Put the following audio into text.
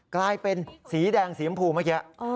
กลายเป็นสีแดงสีชมพูเมื่อกี้